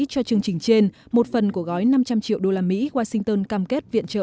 cho chương trình trên một phần của gói năm trăm linh triệu đô la mỹ washington cam kết viện trợ